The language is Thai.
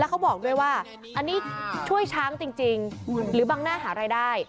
เขาบอกด้วยว่าอันนี้ช่วยช้างจริงหรือบังหน้าหารายได้